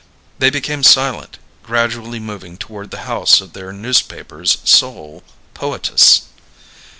They became silent, gradually moving toward the house of their newspaper's sole poetess.